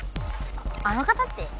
あの方って？